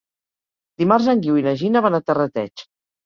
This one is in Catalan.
Dimarts en Guiu i na Gina van a Terrateig.